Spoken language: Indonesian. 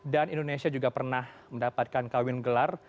dan indonesia juga pernah mendapatkan kawin gelar